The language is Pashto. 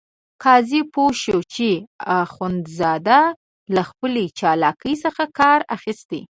قاضي پوه شو چې اخندزاده له خپلې چالاکۍ څخه کار اخیستی.